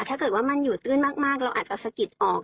ถ้าเกิดว่ามันอยู่ตื้นมากเราอาจจะสะกิดออก